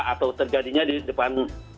atau terjadinya di depan